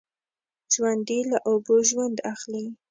ژوندي له اوبو ژوند اخلي